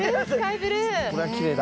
これはきれいだ。